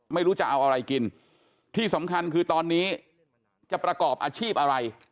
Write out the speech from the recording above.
ไม่รู้จะเอาอะไรกินที่สำคัญคือตอนนี้จะประกอบอาชีพอะไร